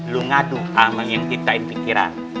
lo ngaduk sama yang ditain pikiran